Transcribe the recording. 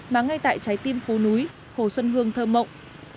mà ngay tại trái tim phố núi hồ xuân hương thơ mộng